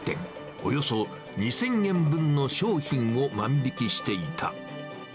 およそ２０００円分の商品を万引きしていた。